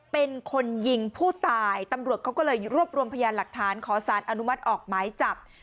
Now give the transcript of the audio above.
เป็นคนยิงผู้ตายตำรวจเขาก็เลยรวบรวมพยานหลักฐานขอสารอนุมัติออกหมายจับ